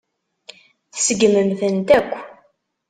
Tseggmem-tent akk.